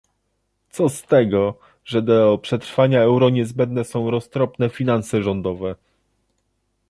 Co z tego, że do przetrwania euro niezbędne są roztropne finanse rządowe